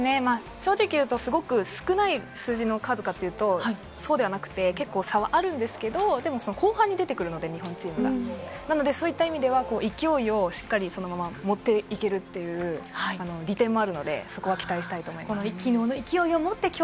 正直言うと少ないかっていうと、そうではなくて、結構差はあるんですけれど、日本チームは後半に出てくるのでこういった意味では勢いをしっかりそのまま持っていけるっていう利点もあるので期待したいと思います。